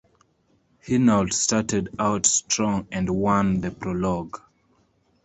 Hinault started out strong and won the prologue.